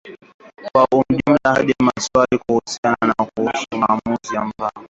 kwa ujumla hadi maswali mahususi kuhusu maamuzi ambayo aliyatoa